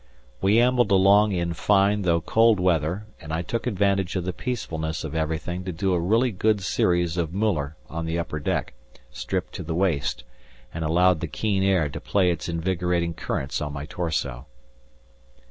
We ambled along in fine though cold weather, and I took advantage of the peacefulness of everything to do a really good series of Müller on the upper deck, stripped to the waist, and allowed the keen air to play its invigorating currents on my torso.